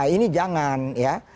ini jangan ya